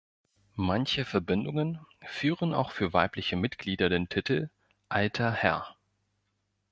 Manche Verbindungen führen auch für weibliche Mitglieder den Titel Alter Herr.